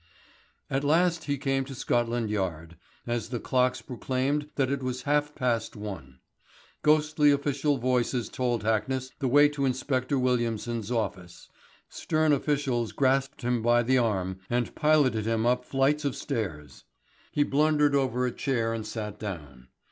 At last he came to Scotland Yard, as the clocks proclaimed that it was half past one. Ghostly official voices told Hackness the way to Inspector Williamson's office, stern officials grasped him by the arm and piloted him up flights of stairs. He blundered over a chair and sat down.